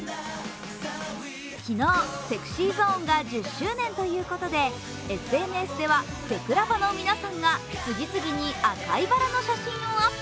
昨日、ＳｅｘｙＺｏｎｅが１０周年ということでＳＮＳではセクラバの皆さんが次々に赤いばらの写真をアップ。